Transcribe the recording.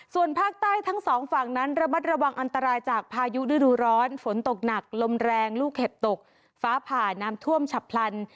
ส่วนภาคใต้ทั้งสองฝั่งนั้นระมัดระวังอันตรายจากพายุฤดูร้อนฝนตกหนักลมแรงลูกเห็บตกฟ้าผ่าน้ำท่วมฉับพลัน